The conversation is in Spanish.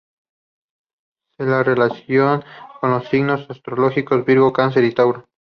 Se la relaciona con los signos astrológicos: Virgo, Cáncer y Tauro.